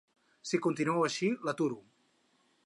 Si continueu així, l’aturo.